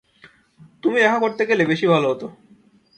তুমি দেখা করতে গেলে বেশি ভালো হত।